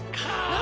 何？